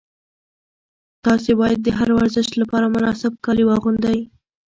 تاسي باید د هر ورزش لپاره مناسب کالي واغوندئ.